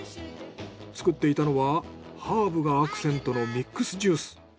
作っていたのはハーブがアクセントのミックスジュース。